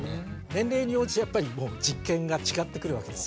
年齢に応じてやっぱり実験が違ってくるわけですね。